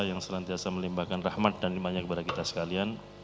yang selantiasa melimbahkan rahmat dan limbahnya kepada kita sekalian